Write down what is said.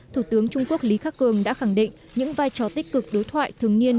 thủ tướng trung quốc lý khắc cường đã khẳng định những vai trò tích cực đối thoại thường niên